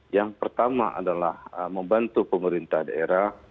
yang pertama adalah membantu pemerintah daerah